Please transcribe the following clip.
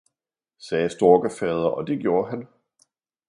« sagde Storkefader, og det gjorde han.